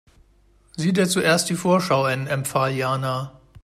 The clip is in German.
Sieh dir zuerst die Vorschau an, empfahl Jana.